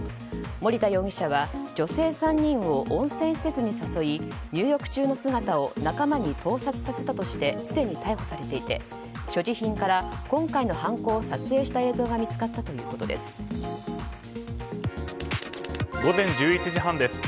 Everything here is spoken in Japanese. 森田容疑者は女性３人を温泉施設に誘い入浴中の姿を仲間に盗撮させたとしてすでに逮捕されていて所持品から今回の犯行を撮影した映像が午前１１時半です。